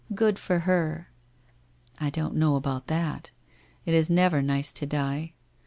Good for her !'' I don't know about that. It is never nice to die.